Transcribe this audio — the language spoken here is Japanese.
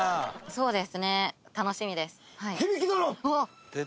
そうですね楽しみです。